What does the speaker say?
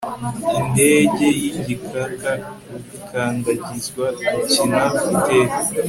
indege y'igikaka rukandagizwa gukina iteka